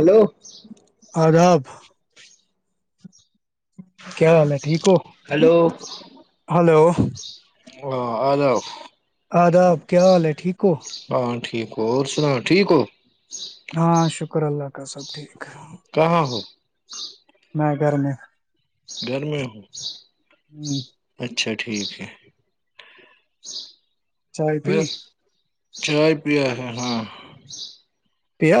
Hello آداب کیا حال ہے ٹھیک ہو ہلو ہلو ا آلو آداب کیا حال ہے ٹھیک ہو؟ ہاں ٹھیک ہو اور سنا ٹھیک ہو ہاں شکر اللہ سب اپٹ کروں ج [inaudible] گھر میں گھر میں ہوں ہوں اچھا ٹھیک ہے چائے پی میں چائے پیا ہے ہاں پیا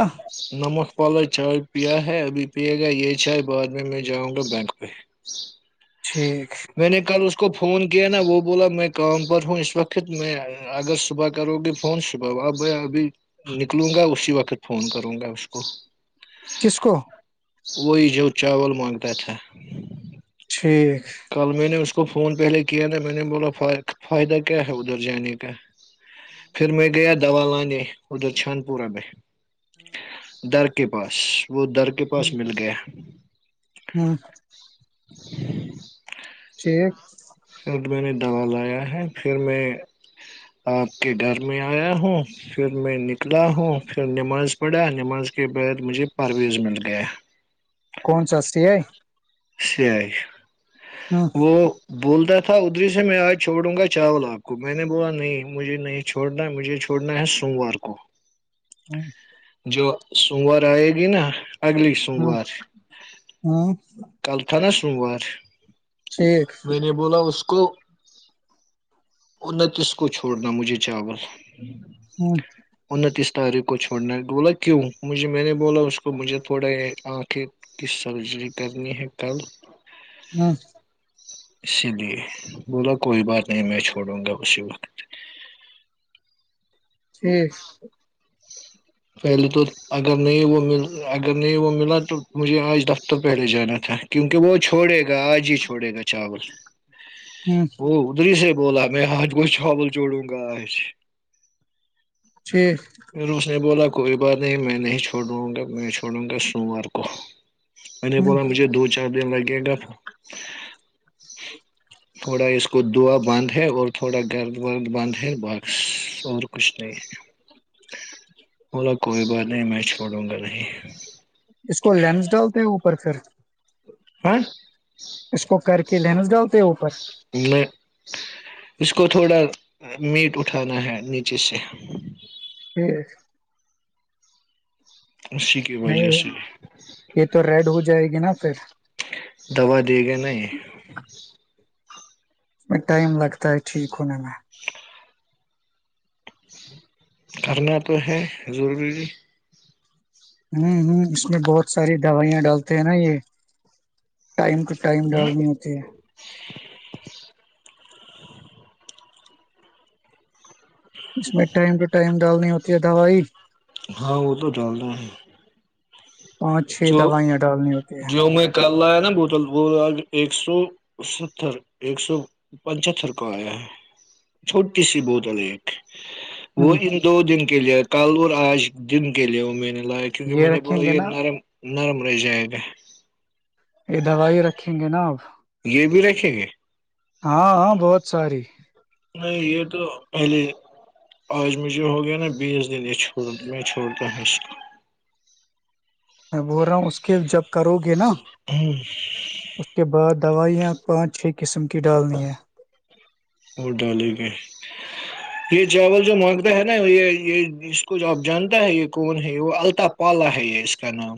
نمس پالا چائےوپیہ ہے ابھی پیے گا یہ چائے بعد میں میں جاؤں گا بینک پہ ٹھیک میں نے کل اس کو فون کیا نا وہ بولا میں کام پر ہوں اس وقت میں اگر صبح کرو گی فون صبح اب ب ابھی نکلوں گا اسی وقت فون کروں گا اس کو کس کو وہی جو چاول مانگتا تھا ٹھیک کل میں نے اس کو فون پہلے کیا تھا میں نے بولا فائدہ کیا ہے ادھر جانے کا پھر میں گیا دوا لانے ادھر چھان پورہ میں در کے پاس وہ در کے پاس مل گیا ہوں، [unintelligible] ایک پھر میں نے دوا لایا ہے پھر میں آپ کے گھر میں آیا ہوں پھر میں الاع ہوں پھر نماز پڑا نماز کے بعد مجھے پرویز مل گیا کون سای ہے سی وہ بول د تھا ادری سے میں آج چھوڑوں گا چاول آپ کو میں نے بولا نہیں مجھے نہیں چھوڑنا مجھے چھوڑنا ہے سوموار کو ہوں جو سومور آئے گی نا اگلی ہوں، سوموار ہوں، کلکھاناس ور ٹھیک [unintelligible] میں نے بولا اس کو اور نہ کس کو چھوڑنا مجھے چاول ہاں تاری کو چھوڑنا بولا کیوں مجھے میں نے بولا اس کو مجھے تھوڑے ک کی سرجی کرنی ہے کل ہاں اسی لیے بولا کوئی بات نہیں میں چھوڑوں گا اسی وقت ٹھیک پہلے تو اگر نہیں وہ م اگر نہیں وہ ملا تو مجھے آج دفتر پہلے جانا تھا کیونکہ وہ چھوڑے گا آج ہی چھوڑے گا چاول ہوں، وہ ادھر ہی سے بولا میں آج کو چاول جوڑوں گا آج چٹھ پھر اس نے بولا کوئی بات نہیں میں نہیں چھوڑ داوںں گا میں چھوڑوں گا سوموار کو ان ہوں۔ بلا مجھے دو چار دن لگے گا تھوڑا اس کو دوا باندھ ہے اور تھوڑا گرد ورد باندھ ہے باکس اور کچھ نہیں ہے بلا کوئی بات نہیں میں نہیں اس کو لینس ڈالتے ہیں ا پرر سر ہاں اس کو کر کے لنس گا ہوتے اوپر میں اس کو تھوڑا میٹ اٹھانا ہے نیچے سے ہوں اسی کی وجہ سے نہیں یہ تو ریڈ ہو جائے گی نا پھر دوا دے گے نہیں میں ٹائم لگتا ہے ٹھیک ہونے میں کرنا تو ہے ضروری ہوں ہوں اس میں بہت ساری دوائیاں ڈالتے ہیں نا یہ ٹائم ٹو ٹائم لاگ بھی ہوتی ہے اس میں ٹائم ٹو ٹائم ڈالنی ہوتی ہے دوائی ہاں وہ تو چلتا ہے پانچ چھ جو دوائیاں ڈالنی ہوتی ہے جو میں کل لایا نا بوتل ب ایک سو ستر ایک سو پچھتر کا آیا ہے چھوٹی سی بوتل ایک وہ ہ ان دو دن کے لیے کالور آج دن کے لیے وہ میں نے کیونکہ یہ میں نے رکھیں ب گے یہم نا نرم رہی جائے گا یہ دوائی رکھیں گے نا اب یہ بھی رکھیں گے ہاں ہاں بہت ساری نہیں یہ تو پہلے آج مجھے ہو گیا نا بیس دن یہ چھوڑوں تو میں چھوڑتا مس میں بول رہا ہوں اس کے جب کرو گے نا ہوں، اس کے بعد دوائیاں پانچ چھ قسم کی ڈالنی ہیں اور ڈالے گئے یہ چاول جو مانگتا ہے نا یہ یہ اس کو جو آپ جانتا ہے یہ کون ہے وہ التا پالا ہے یہ اس کا نام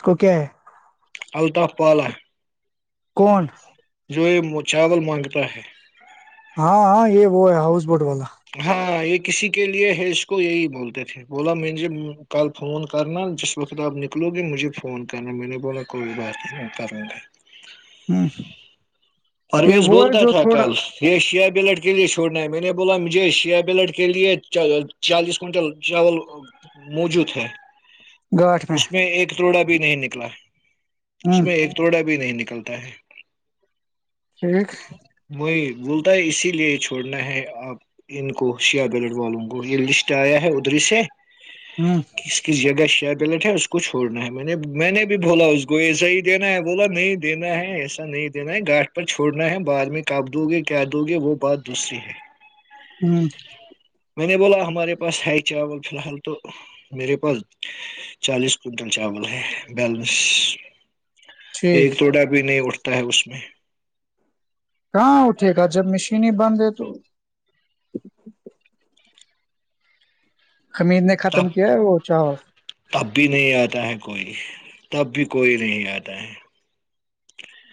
اس کو کیا ہے الطاف پالا کون تو یہ چاول مانگتا ہے ہاں ہاں یہ وہ ہے ہاؤس بوٹ والا ہاں ایک کسی کے لیے ہے اس کو یہی بولتے تھے بولا مجھے کل فون کرنا جس وقت آپ نکلو گے مجھے فون کرنا میں نے بولا کوئی بات نہیں کر گے ہ یہ پرویز وہ ہے بولتا جو تھا تھوڑا کل یہ شیب لٹ کےے چوڑنا ہے میں نے بولا مجھے چھ بلٹ کے لیے چالیس کنٹل چاول موجود ہے اس میں ایک توڑا بھی نہیں نکلا اس ہ میں ایک توڑا بھی نہیں نکلتا [unintelligible] ہوں وہی بولتا ہے اسی لیے چھوڑنا ہے آپ ان کو سیاہ بلٹ والوں کو یہ لسٹ آیا ہے ادھر سے ہ کس کی جگہ کیبلیٹ ہے اس کو چھوڑنا ہے میں نے میں نے بھی بولا اس کو ایسا ہی دینا ہے بولا نہیں دینا ہے ایسا نہیں دینا ہے گاٹ پر چھوڑنا ہے بعد میں کب دو گے کیا دو گے وہ بات دوسری ہے ہوں میں نے بولا ہمارے پاس ہے چاول فی الحال تو میرے پاس چالیس کن مٹن چاول ہے بیلس ٹھیک ایک توڑا بھی نہیں اٹھتا ہے اس میں کہاں اٹھے گا جب مشین بند ہے تو خمید نے ختم تب کیا ہے وہ چاول تب بھی نہیں آتا ہے کوئی تب بھی کوئی نہیں آتا ہے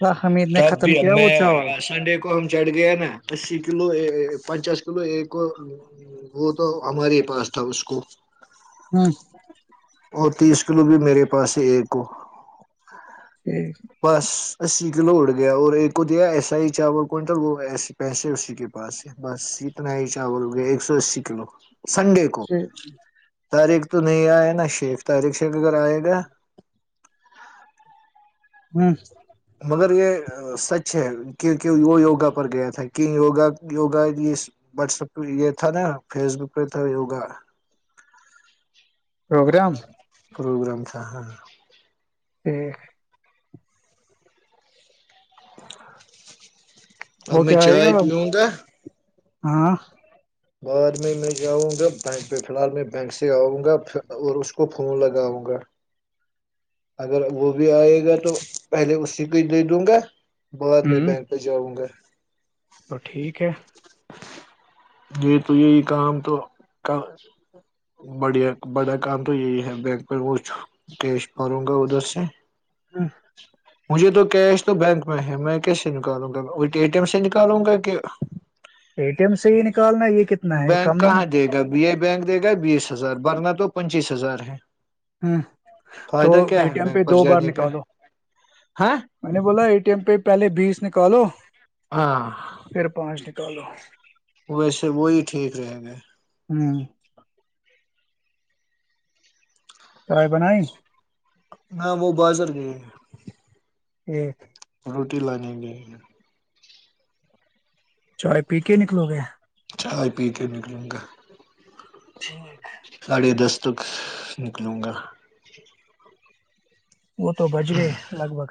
اللہ حمید نے تب ختم بھی کیا وہ میں چاول سنڈے کو ہم چڑھ گیا نا اسی کلو پچاس کلو ایک وہ تو ہمارے ہی پاس تھا اس کو ہوں اور تیس کلو بھی میرے پاس ہے ایک کو ٹھیک بس اسی کلو اڑ گیا اور ایک کو دیا ایسا ہی چاول کونٹل وہ ایے پیسے اسی کے پاس ہے بس اتنا ہی چاول گیا ایک سو اسی کلو سنڈے کو ٹھیک. تاریخ تو نہیں آئے نا شیخ تاریخ ش اگر آئے گا ہوں مگر یہ سچ ہے کیک وہ یوگا پر گیا تھا کی یوگا یوگا یہ واٹسپ پہ یہ تھا نا فیس بک پہ تھا یوگا پروگرام پروگرام تھا ہاں ہوں [inaudible] اب وہ میں کیا آئے گا چائے اب پیوں گا ہاں بعد میں میں جاؤں گا بینک پہ فی الحال میں بینک سے آؤں گا اور اس کو فون لگاؤں گا اگر وہ بھی آئے گا تو پہلے اسی کو ہی دے دوں گا بعد میں ہوں بینک پہ جاؤں گا تو ٹھیک ہے یہ تو یہی کام تو بڑیا بڑا کام تو یہی ہے بینک پ وہ کیش پوں گا ادھر سے ہاں مجھے تو کیش تو بینک میں ہے میں کیسے نکالوں گا وہ ے ٹی ایم سے نکالوں گا کہ اے ٹی ایم سے ہی نکالنا ہے یہ کتنا ہے یہ بینک کم ہی ہے کہاں دے گا بی آئی بینک دے گا بیس ہزار بورنا تو پنچیس ہزار ہے ہ تو فائدہ ا کیا ہے ٹی ایم پہ بینک پر دو بار جانے کا نکالو ہاں میں نے بولا ا ٹی ایم پہ پہلے بیس نکالو ہاں چلو ویسے وہی ٹھیک رہے گئے ہوں کرائی بنائی ہ وہ بازر گئے ہیں جی روٹی لانے کے چائے پی کے نکلو گے چائے پی کے نکلوں گا ٹھیک اب تک نکلوں گا وہ تو بچ گئے لگ بھگ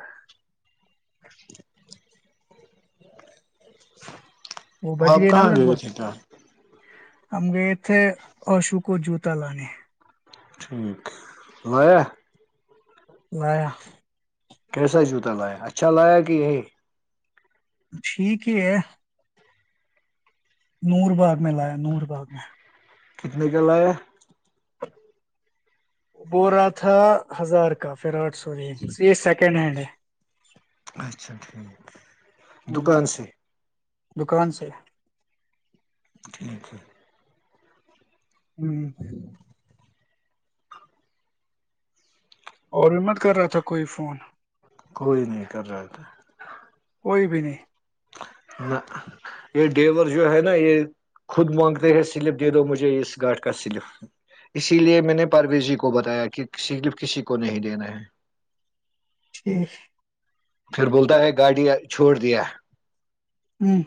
وہ بج آپ نا کہاں لگ بھگ گئے تھے کیا ہم گئے تھے اشو کو جوتا لانے ٹھیک لیا لایا کیسا جوتا لایا اچھا لایا کہ یہی ٹھیک ہے ہے نور باغ میں لایا نور باغ میں کتنے کے ل ہے بو رہا تھا ہزار کا فراٹ سوری یہ سیکنڈ ہینڈ ہے اچھا ٹھیک ہوں، دکان سے دکان سے ٹھنیک ہے ہ اور بھی مت کر رہا تھا کوئی فون کوئی نہیں کر رہا تھا کوئی بھی نہیں نہ یہ ڈیور جو ہے نا یہ خود مانگتے ہیں سلپ دے دو مجھے اس گارڈ کا سلپ اسی لیے میں نے پارویر جی کو بتایا کہ سلپ کسی کو نہیں دینا ہے خیش پھر بولتا ہے گاڑی چھوڑ دیا ہوں،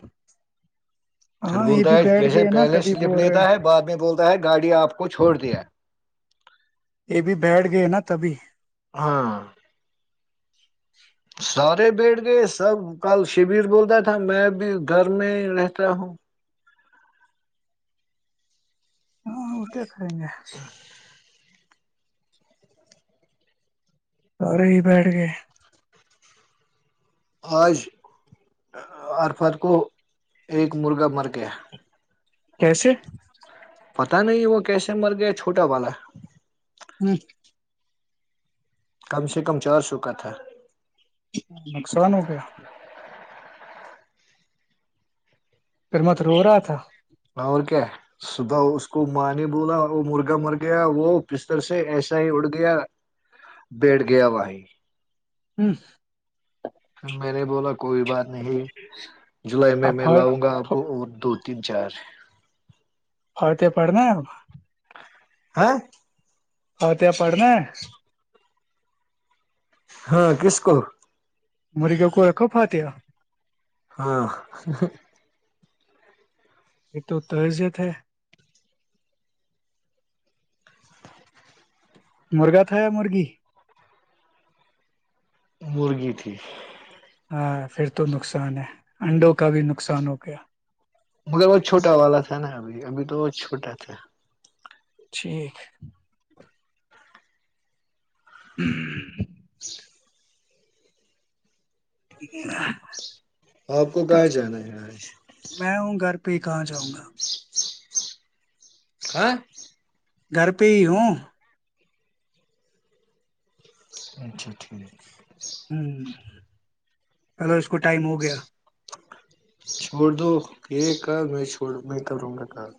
سر ہاں یہ بولتا بھی ہے بیٹھ جیسے گئے نا پہلے تبھی سلپ بول رہے ہیں لیتا ہے بعد میں بولتا ہے گاڑی آپ کو چھوڑ دیا یہ بھی بیٹھ گئے نا تبھی ہاں سارے بیٹھ گئے سب کل شبر بولتا تھا میں بھی گھر میں ہی رہتا ہوں ہاں اسے کریں گے س رہے ہی بیٹھ گئے آج عرفر کو ایک مرغہ مر گیا کیسے پتا نہیں وہ کیسے مر گیا چھوٹا والا ہے ہوں کم سے کم چار سو کا تھا نقصان ہو گیا پھر میںت رو رہا تھا اور کیا صبح اس کو ماں نے بولا وہ مرغا مر گیا وہ بستر سے ایسا ہی اڑ گیا بیٹھ گیا وہیں بیش پھر میں نے بولا کوئی بات نہیں ہی جولائی میں اب میں لاؤں گا آپ کو پھاڑتے اور دو تین چار اورورتیں پڑھنا ہے ہو ہ ہ ت پڑنے ہاں کسک مری گ کوئی ایک کو فاتاتیا ہاں یہ تو تعزیت ہے مرغا تھایا مرغی مرغی تھی ہاں پھر تو نقصان ہے انڈوں کا بھی نقصان ہو گیا مگر وہ چھوٹا والا تھا نا ابھی ابھی تو وہ چھوٹا تھا ٹھیک ہ [inaudible] ج [unintelligible] آپ کو کہاں جانا ہے آج میں ہوں گھر پہ ہی کہاں جاؤ گا ہاں گھر پہ ہی ہوں اچھا ٹھیک ہوں اللو کو ٹائم ہو گیا چھوڑ دو یہ کام میں چھوڑ میں کروں گا کام